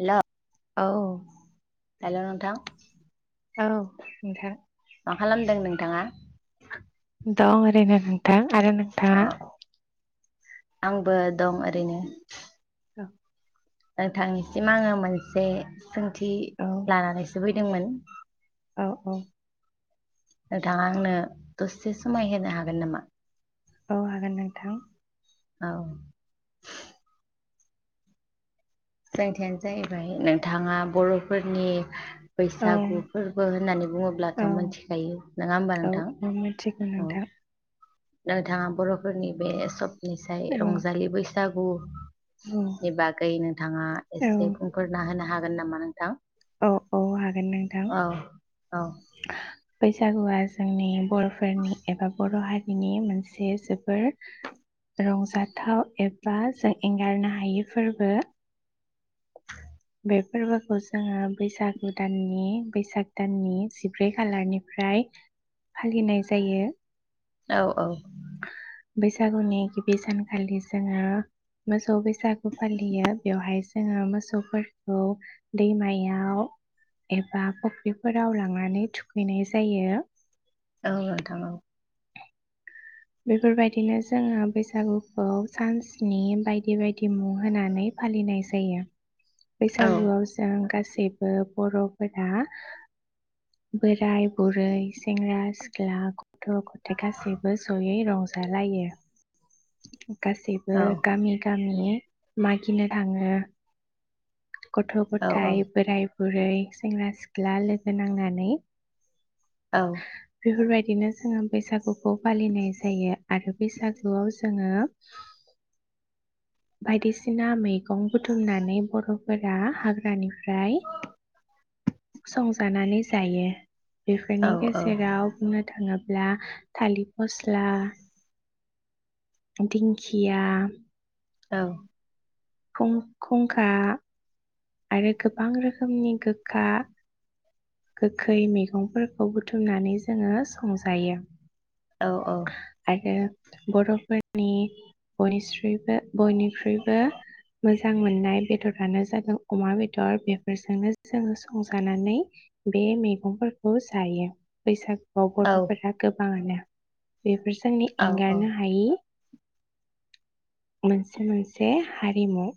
हेल' औ। हेल' नोंथां औ मा खालामदों नोंथाङा? दं ओरैनो नोंथां। आरो अ नोंथाङा आंबो दं ओरैनो औ। नोंथांनिसिम आङो मोनसे सोंथि औ लानानैसो फै दोंमोन औ औ। नोंथाङा आंनो दसे समाय होनो हागोन नामा? औ हागोन नोंथां। औ। सोंथियानो जाहैबाय नोंथाङा बर'फोरनि औ बैसागु फोरबो होननानै बुङोब्लाथ' औ मोनथिखायो नङा होमबा औ नोंथां औ मिथिगौ औ। नोंथां नोंथाङा बर'फोरनि बे ए निसाय औ रंजालि बैसागो औ बैसागु नि बागै नोंथाङा औ एसे बुंफोरना होनो हागोन नामा? थां औ औ हागोन नोंथां। औ बैसागुआ जोंनि बर'फोरनि एबा बर' हारि बिनि मोनसे जोबोर रंजाथाव एबा जों एंगारनो हायि फोरबो। बे फोरबोखौ जोङो बैसागु दाननि बैसाग दाननि जिब्रै खालारनिफ्राय फालिनाय जायो। औ औ। बैसागुनि गिबि सानखालि जोङो मोसौ बैसागु फालियो बेवहाय जोङो मोसौफोरखौ दैमायाव एबा फुख्रिफोराव लांनानै थुखैनाय जायो। औ नोथां औ। बेफोर बायदिनो जोङो बैसागुखौ सानस्नि बायदि बायदि मुं होनानै फालिनाय जायो। औ बैसागुआव जों बेबो बर'फोरा बोराय बुरै सेंग्रा सिख्ला गथ' गथ थाय गासिबो ज'यै रंजालायो गासैबो औ गामि गाम मि मागिनो थाङो गथ' औ औ गथाय बोराइ बुरै सेंग्रा सिख्ला लोगो नांनानै औ बेफोरबायदिनो जोङो बैसागु बेखौ फालिनाय जायो आरो बैसागुआव जोङो बायदिसिना मै मैगं बुथुमनानै बर' फोरा हाग्रानिफ्राय संजानानै जायो बेफोरनि औ गेजेराव बुंनो थाङो ला थालिर फस्ला दिंखिया औ खुं खुंखा आरो गोबां रोखोमनि गोखा गोखै मैगंफोरखौ बुथुमनानै जोङो संजायो औ औ आरो बर'फोरनि बयनिस्रिबो बयनिख्रुइबो मोजां मोननाय बेदरानो जादों अमा बेदर बेफोरजोंनो जोङो संजानानै बे मैगंफोरखौ जायो बैसाग अ बर'फोरा गोबाङानो बेफोरजोंनो औ एंगारनो हायि मोनसे मोनसे हारिमु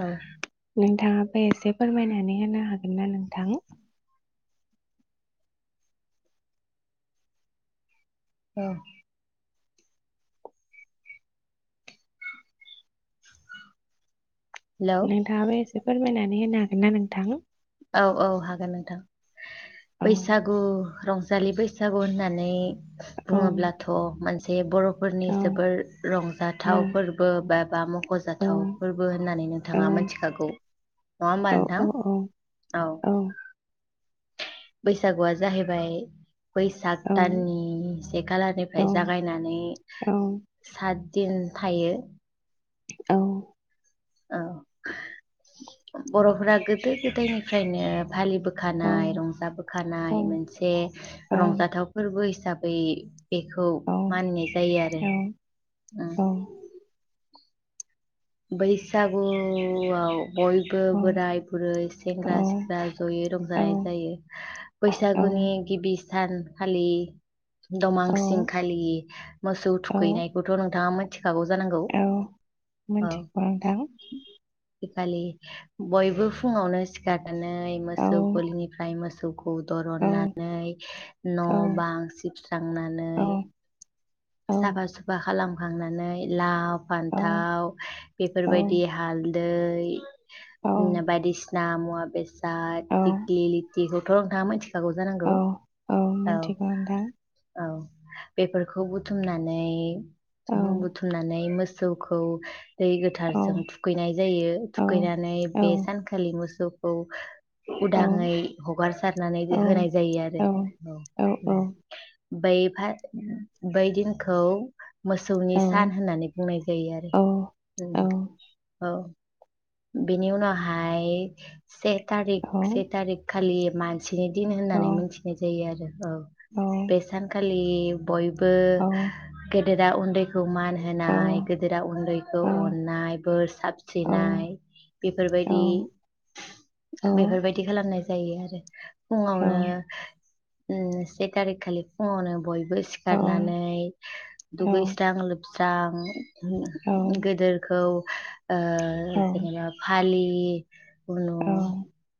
औ नोंथाङा ओमफाय एसे फोरमायनानै होनो हागोन ना नोंथां औ नोंथाङाबो‌ एसे एसे फोरमायनानै होनो हागोन ना नोंथां औ औ हागोन नोंथां औ बैसागु रं रंजालि बैसागु होननानै औ बुङोब्लाथ' मोनसे बर'फोरनि औ जोबोर औ रंजाथाव फोरबो बा बा औ मख'जाथाव फोरबो होननानै नोंथाङा मिथिखागौ नङा होमबा नोंथां औ औ औ बैसागुआ जाहैबाय बैसाग औ दाननि से खालारनिफ्राय जागायनानै नोंथां सात दिन थायो औ औ बर'फोरा गोदो गोदायनिफ्रायनो औ फालिबोखानाय औ रंजाबोखानाय मोनसे औ रंजाथाव फोरबो हिसाबै बेखौ औ मानिनाय जायो आरो उम बैसागुआव बयबो बोराय बुरै औ सेंग्रा सिख्ला जयै रंजानाय जायो औ बैसागुनि गिबि सानखालि दमांसिंखालि मोसौ औ थुखैनायखौथ' नोंथाङा मोनथिखागौ जानांगौ थिकबा नोंथां आजि खालि बयबो फुङावनो सिखारनानै औ मोसौ गलिनिफ्राय मोसौखौ औ दरननानै औ न' बां सिबस्रांनानै औ औ साफा सुफा खालामखांनानै लाव औ फान्थाव औ बेफोरबायदि हालदैओम औ बायदिसिना मुवा बेसाद दिग्लि लिथिखौथ' नोंथाङा मिथिखागौ जानांगौ औ मिथिगौ नोंथां औ बेफोरखौबो बुथुमनानै ओ बुथुमनानै मोसौखौ दै गोथारजों थुखैनाय जायो थुखैनानै बे सानखालि मोसौखौ उदाङै हगारसारनानै होनाय जायो आरो औै ओं बै फा बै दिनखौ मोसौनि सान होननानै बुंनाय जायो आरो ओं औ बेनि उनावहाय से थारिख से थारिख खालि मान सिनि दिन होननानै मिथिनाय जायो आरो औ बे सानखालि बयबो औ गेदे गेदेरा उन्दैखौ मान होनाय गदेरा उन्दैखौ अननाय बोर सारस्रिनाय बेफोरबायदि बेफोरबायदि खालामनाय जायो आरो फुङावनो ओ से थारिख खालि फुङावनो बय बो सिखारनानै दुगैस्रां लोब जां उम गेदेरखौ औ फालि उनु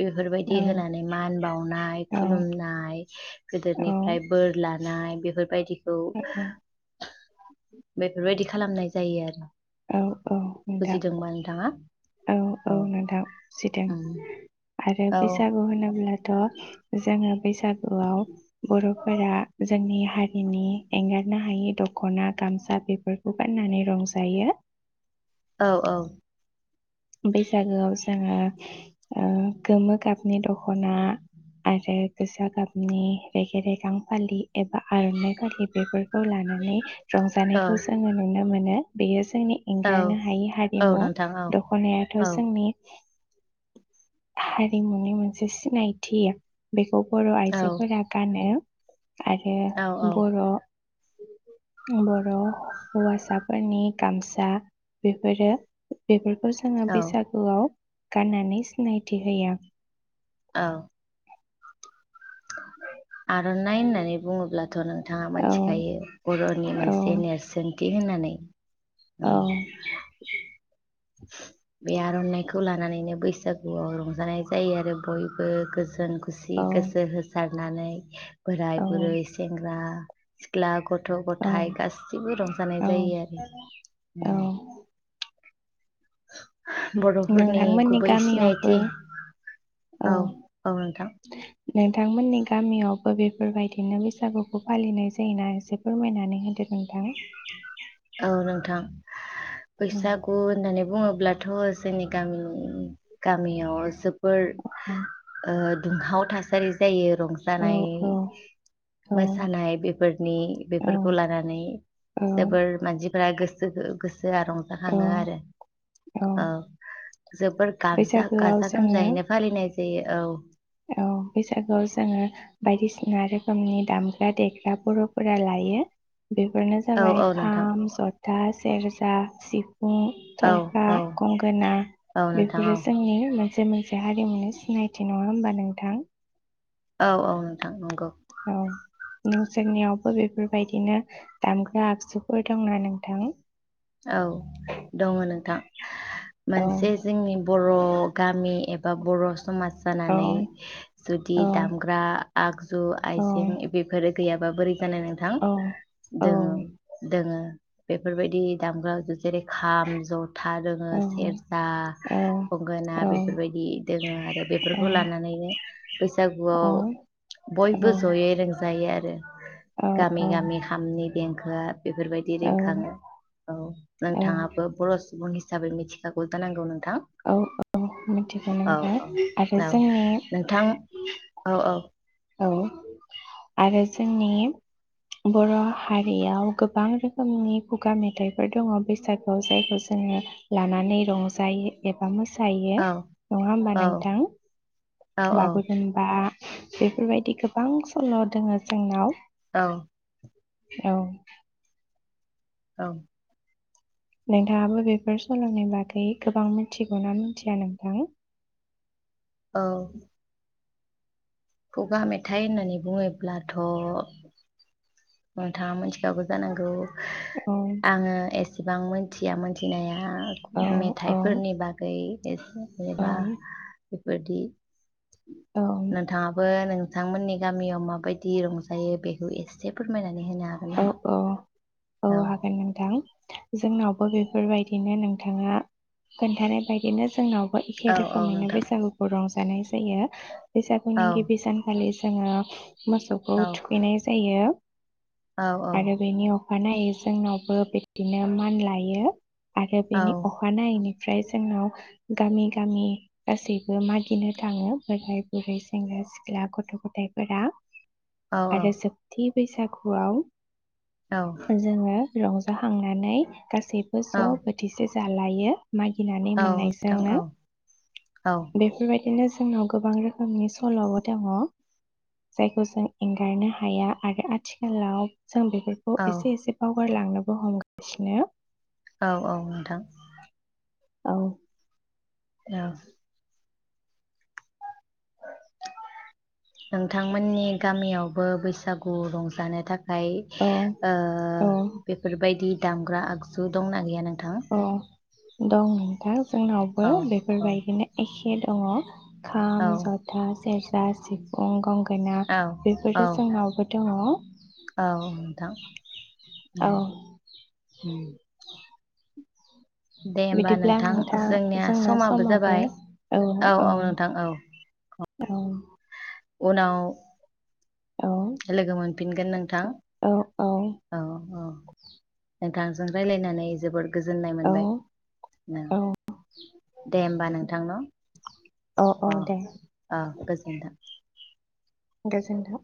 बेफोरबायदि होनानै मान बाव सनाय खुलुमनाय गोदोनिफ्राय बोर लानाय बेफोरबायदिखौ बेफोरबायदि खालामनाय जायो आरो औ औ नोंथां बुजिदोंबा नोंथाङा औ बुजिदों उम आरो औ बैसागु होनोब्लाथ' जोङो फैसा लाव बर'फोरा जोंनि हा हारिनि एंगारनो हायि दख'ना गामसा बेफोरखौ गाननानै रंजायो औ औ बैसागोआव जोङो ओ गोमो गाबनि दख'ना आरो गोजा गाबनि रेगे रेगां फालि एबा आर'नाइ फालि बेफोरखौ लानानै रंजानायखौ औ जोङो नुनो मोनो बियो जों जोंनि औ एंगारनो हायै औ हारिमु नोंथां औ दख नायाथ' औ जोंनि हारिमुनि मोनसे सिनायथि बेखौ बर' औ आइजोफोरा गानो आरो औ औ बर' बर' हौवासाफोरनि गामसा बेफोरो बेफोर बेफोर जोङो औ बैसागुआव गाननानै सिनायथि होयो औ आर'नाय होननानै बुङोब्ला थ' नोंथाङा औ मिथिखायो बर' नि औ मोनसे नेरसोन थि होननानै ओं औ बे आर'नाइखौ लानानैनो बैसागुआव रंजानाय जायो आरो बयबो गोजोन औ खुसि गोसो होसार नानै औ बोराय बुरै सेंग्रा सिख्ला गथ गथ' औ गथाय गासिबो रंजानाय औ जायो आरो औ होम [inaudible] बर'फोरनि नोंथांमोननि गुबै गामियावबो सिनायथि औ औ औ नोंथां नोंथांमोननि गामियाव हो बेफोरबायदिनो बैसागुखौ फालिनाय जायो होना एसे फोरमायनानै होदों नोंथां औ नोंथां बैसागु होननानै बुङोब्लाथ' जोंनि गामिनि गामियाव जोब फोर ओ दुंहाव थासारि जायो। औ रंजानाय औ मोसानाय बेफोरनि औ बेफोरखौ लानानै औ जोबोर फ्राय गोसोखौ गोसो सोआ औ रंजाखाङो आरो औ जोबोर गाजा बैसागोआव गाजा जोङो गोमजायैनो फालिनाय जायो औ औ बैसागुआव जोङो बायदिसिना सिना रोखोमनि दामग्रा देग्रा बर'फोरा लायो। बेफोरनो औ जाबाय औ नोंथां खाम, जथा था, सेरजा, सि फुं, औ थलफा, औ गंगोना औ नोंथां बेफोरो औ जोंनि मोनसे से मोनसे हारिमुनि सिनायथि नङा होमबा? नोंथां औ औ नोंथां नंगौ औ नोंसोरनियावबो बेफोरबायदिनो दामग्रा आगजुफोर दंना नोंथां औ दङ नोंथां औ मोनसे जोंनि बर' गामि एबा बर' समाज औ जानानै जुदि औ दामग्रा आगजु औ आइजें बेफोर गैयाबा बोरै जानो नोंथां औ औ दोङो दोङो बेफोरबायदि दामग्रा जेरै खाम जथा दोङो औ सेरजा गंगोना औ बेफोरबायदि दोङो आरो बेफोरखौ लानानैनो बैसागुआव औ बयबो जयै रोंजायो आ रो औ गामि औ गामि खामनि देंखो आ बेफोरबायदि औ रिंखाङो औ नोंथाङाबो बर' सुबुं हिसाबै मिथिखागौ जानांगौ नों औ औ मिथिगौ नोंथां औ आरो औ जोंनि नोंथां औ औ औ आरो जोंनि बर' हारियाव गोबां रोखोमनि खुगा मेथाइफोर दङ बैसागुआव जायखौ जोङो लानानै रंजायो एबा मो सायो औ नङा होमबा औ नोंथां औ बागुरुमबा [inaudible] बेफोरबायदि गोबां सल' दोङो जोंनाव औ औ ओं नोंथाङाबो बेफोर सल'नि बागै गोबां मिथिगौना मिथिया नोंथां औ खुगा मेथाइ होननानै बुङोब्लाथ' नोंथाङा मोनथिखागौ जानांगौ औ आङो एसेबां मोनथिया मोनथिनाया औ औ मेथाइफोरनि बागै एसे एबा औ बेफोरदि औ नोंथाङाबो नों नोंथांमोननि गामियाव माबायदि रंजायो बेखौ एसे फोरमायना औ औ औ हागोन नोंथां जोंनाव अ बेफोरबायदिनो नोंथाङा खोन्थानाय बायदिनो जोंनावबो एखे औ औ रोखोमैनो नोंथां बैसागुखौ रंजायो दानैसो जायो औ बैसागुनि गिबि सानखालि जोङो मोसौखौ औ थुखैनाय जाय जायो औ औ आरो बेनि अख अखानायै जोंनावबो बिबदिनो मान लायो आरो बेनि अखानायै नायैनि ओमफ्राय जोंनाव गामि गामि गासैबो मागिनो थाङो बोराय बुरै सेंग्रा सिख्ला गथ' गथायफोरा औ औ आरो जोबथि बैसागु खुवाउ औ जोङो रंजा खांनानै गासैबो ज' बोथिसे जालायो मागिनानै औ नोंथां औ मोननायजोंनो औ बेफोर बायदिनो जों जोंनाव गोबां रोखोम खोमनि सल'आबो दङ जायखौ जों एंगारनो हाया आरो आथि खालाव जों बेफोरखौ औ एसे एसेबाव हरलांनोबो हमगासिनो औ औ नोंथां औ ओं नोंथांमोननि गामियावबो बैसागु रंजानो थाखाय औ ओमफ्राय औ बेफोर बायदि दामग्रा आगजु दंना गैया नोंथां अ दं नोंथां जोंनावबो औ बेफोर औ बायदिनो एखे बे दङ खाम औ जथा सेरजा गासिब अं गंगा ना औ बेफोरो जोंनाव‌ गोदो दङ होम औ होम दे होमबा नोंथां जोंनिया समाबो जाबाय औ औ नोंथां औ औ उनाव औ लोगो मोन फिनगोन नों थां औ औ औ औ गोन नोंथांजों रायलायनानै जोबोद गोजोननाय औ मोनबाय नो औ दे होमबा नोंथां न। औ औ अ दे अ गोजोनथों गोजोनथों